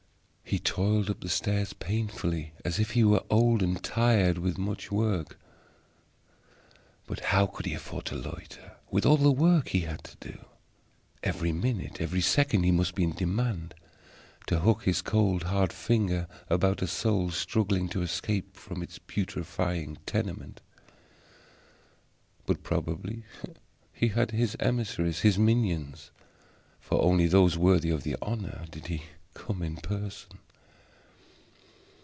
He toiled up the stair painfully, as if he were old and tired with much work. But how could he afford to loiter, with all the work he had to do? Every minute, every second, he must be in demand to hook his cold, hard finger about a soul struggling to escape from its putrefying tenement. But probably he had his emissaries, his minions: for only those worthy of the honor did he come in person.